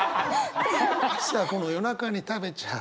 さあこの夜中に食べちゃう。